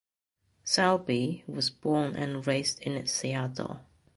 Selby was born and raised in Seattle.